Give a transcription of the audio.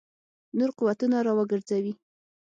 نور قوتونه را وګرځوي.